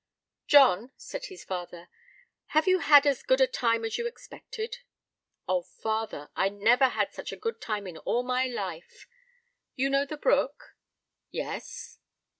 "John," said his father, "have you had as good a time as you expected?" "O, father, I never had such a good time in all my life! You know the brook?" "Yes."